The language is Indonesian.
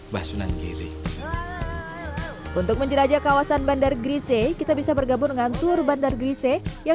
basunanggiri untuk menjelajah kawasan bandar gresik kita bisa bergabung dengan tour bandar gresik yang